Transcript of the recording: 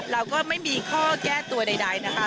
เราก็ไม่มีข้อแก้ตัวใดนะคะ